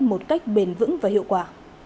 một cách bền vững và hiệu quả